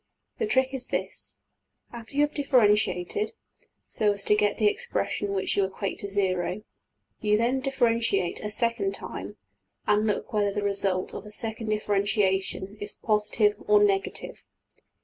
The trick is this: After you have differentiated (so as to get the expression which you equate to zero), you then differentiate a second time, and look whether the result of the second differentiation is \emph{positive} or \emph{negative}.